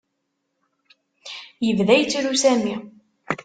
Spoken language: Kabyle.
Yebda yettru Sami.